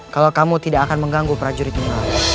kalau kamu tidak akan mengganggu prajuritnya